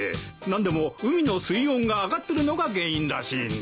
何でも海の水温が上がってるのが原因らしいんだ。